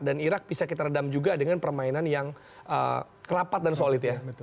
dan irak bisa kita redam juga dengan permainan yang rapat dan solid ya